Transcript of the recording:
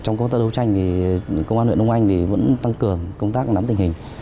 công an huyện đông anh cũng tăng cường công tác nắm tình hình